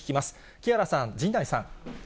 木原さん、陣内さん。